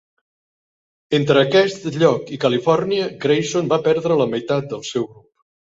Entre aquest lloc i Califòrnia, Grayson va perdre la meitat del seu grup.